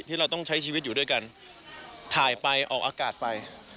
ที่เราต้องใช้ชีวิตอยู่ด้วยกันถ่ายไปออกอากาศไป